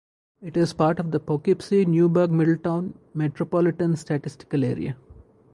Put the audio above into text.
It is part of the Poughkeepsie-Newburgh-Middletown Metropolitan Statistical Area.